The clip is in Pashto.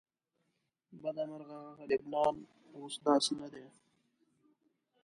له بده مرغه هغه لبنان اوس داسې نه دی.